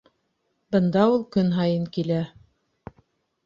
Бында ул ун көн һайын килә.